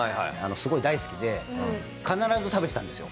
すごい大好きで必ず食べてたんですよ。